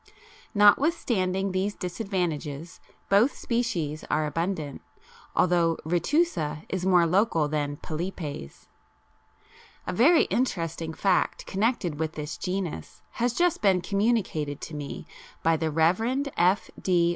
Notwithstanding these disadvantages both species are abundant, although retusa is more local than pilipes. A very interesting fact connected with this genus has just been communicated to me by the Rev. F. D.